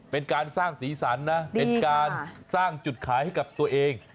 เป็นการสร้างสีสันนะเป็นการสร้างจุดขายให้กับตัวเอง